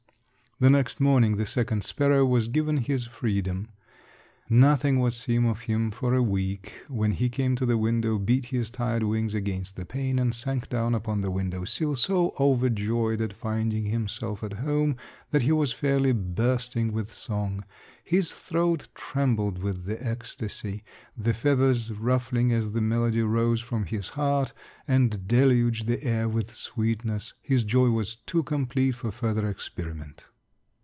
The next morning the second sparrow was given his freedom. Nothing was seen of him for a week, when he came to the window, beat his tired wings against the pane, and sank down upon the window sill so overjoyed at finding himself at home that he was fairly bursting with song. His throat trembled with the ecstasy; the feathers ruffling as the melody rose from his heart and deluged the air with sweetness. His joy was too complete for further experiment.